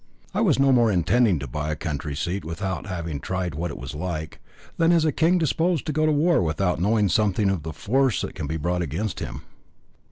I was no more intending to buy a country seat without having tried what it was like, than is a king disposed to go to war without knowing something of the force that can be brought against him.